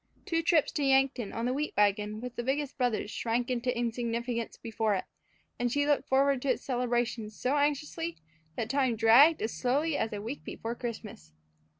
Two trips to Yankton on the wheat wagon with the biggest brother shrank into insignificance before it, and she looked forward to its celebration so anxiously that time dragged as slowly as a week before Christmas.